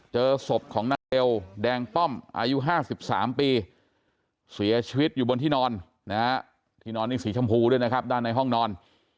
เจอศพของนายเอวแดงป้อมอายุ๕๓ปีเสียชีวิตอยู่บนที่นอนนะฮะที่นอนนี่สีชมพูด้วยนะครับด้านในห้องนอน